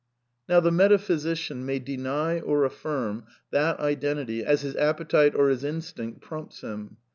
Now, the metaphysician may deny or affirm that identity as his appetite or his instinct prompts him.